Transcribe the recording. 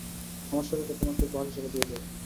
আমার শরীরটা তোমাকে উপহার হিসেবে দিয়ে দেব।